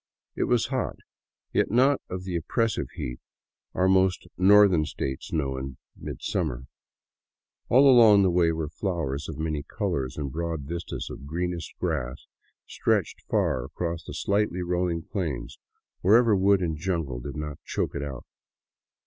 It was hot, yet not of the op pressive heat our most northern states know in mid summer. All along the way were flowers of many colors, and broad vistas of greenest grass stretched far across slightly rolling plains wherever woods and jungle did not choke it out.